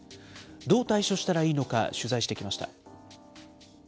どう対処したらいいのか取材してきました。